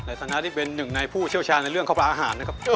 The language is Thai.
สถานะที่เป็นหนึ่งในผู้เชี่ยวชาญในเรื่องข้าวปลาอาหารนะครับ